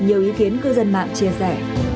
nhiều ý kiến cư dân mạng chia sẻ